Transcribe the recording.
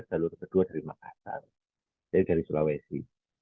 jalur kedua dari makassar jadi dari sulawesi